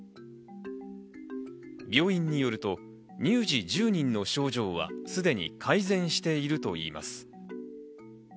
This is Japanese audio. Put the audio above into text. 病院によると、乳児１０人の症状はすでに改善しているといいます。